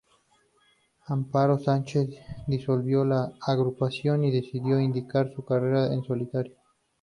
Amparo Sánchez disolvió la agrupación y decidió iniciar su carrera en solitario.